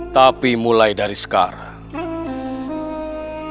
tapi mulai dari sekarang